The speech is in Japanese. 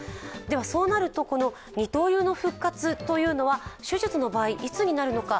そうなるとこの二刀流の復活というのは手術の場合いつになるのか。